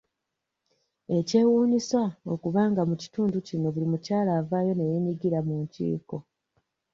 Kyewuunyisa okuba nga mu kitundu kino buli mukyala avaayo ne yeenyigira mu nkiiko.